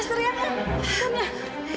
siapa yang teriaknya